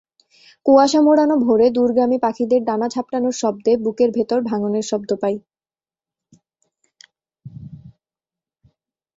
কুয়াশা মোড়ানো ভোরে দূরগামী পাখিদের ডানা ঝাপটানোর শব্দে বুকের ভেতর ভাঙনের শব্দ পাই।